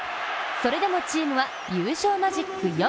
それでもチームは優勝マジック４。